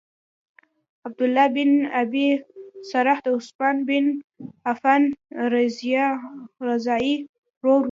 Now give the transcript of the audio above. عبدالله بن ابی سرح د عثمان بن عفان رضاعی ورور وو.